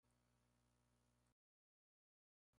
Se retiró a los Estados Unidos.